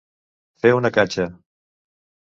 Fer una catxa.